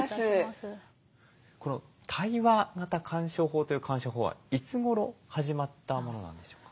この対話型鑑賞法という鑑賞法はいつごろ始まったものなんでしょうか？